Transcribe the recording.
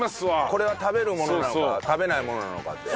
これは食べるものなのか食べないものなのかって。